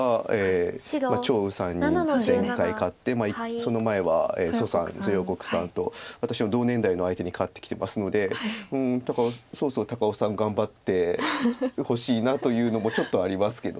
その前は蘇さん蘇耀国さんと私の同年代の相手に勝ってきてますのでそろそろ高尾さん頑張ってほしいなというのもちょっとありますけど。